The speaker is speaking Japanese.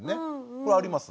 これあります。